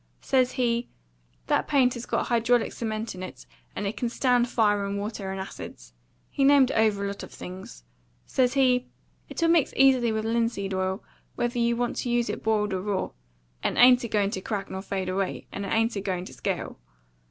Says he, 'That paint has got hydraulic cement in it, and it can stand fire and water and acids;' he named over a lot of things. Says he, 'It'll mix easily with linseed oil, whether you want to use it boiled or raw; and it ain't a going to crack nor fade any; and it ain't a going to scale.